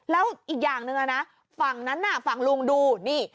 แล้วอีกอย่างหนึ่งนะฝั่งนั้นน่ะฝั่งลุงดูนี่